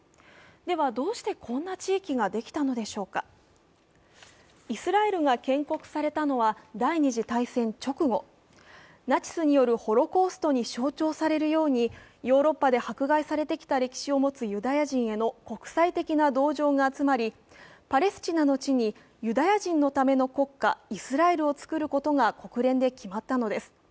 ではどうしてこんな地域ができたのでしょうかイスラエルが建国されたのは第二次大戦直後、ナチスによるホロコーストに象徴されるようにヨーロッパで迫害されてきた歴史を持つユダヤ人への国際的な同情が集まり、パレスチナの地にユダヤ人の国家イスラエルを作ることが国連で決まったのです。